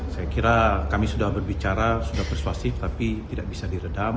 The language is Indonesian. saya kira kami sudah berbicara sudah persuasif tapi tidak bisa diredam